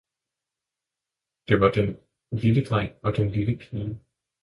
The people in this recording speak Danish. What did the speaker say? det var den lille dreng og den lille pige.